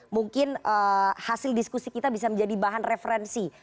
mungkin hasil diskusi kita bisa menjadi bahan referensi